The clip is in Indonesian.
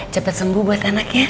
cepet sembuh buat anaknya